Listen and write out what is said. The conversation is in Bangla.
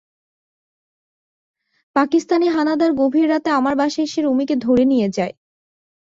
পাকিস্তানি হানাদার গভীর রাতে আমার বাসায় এসে রুমীকে ধরে নিয়ে যায়।